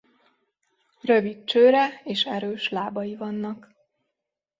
Rövid csőre és erős lábai vannak.